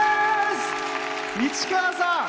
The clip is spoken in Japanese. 市川さん。